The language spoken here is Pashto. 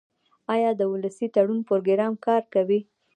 آیا د ولسي تړون پروګرام کار کوي؟